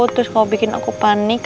terus kalau bikin aku panik